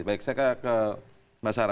baik saya ke mbak sarah